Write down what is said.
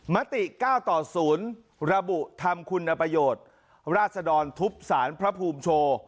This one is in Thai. มติเก้าต่อศูนย์ระบุธรรมคุณประโยชน์ราชดรทุบศาลพระภูมิโชว์